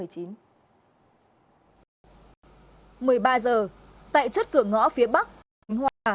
một mươi ba h tại chất cửa ngõ phía bắc hồ hùng